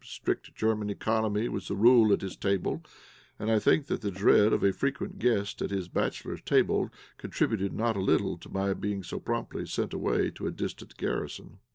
Strict German economy was the rule at his table, and I think that the dread of a frequent guest at his bachelor's table contributed not a little to my being so promptly sent away to a distant garrison.